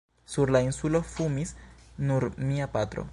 Sur la Insulo fumis nur mia patro.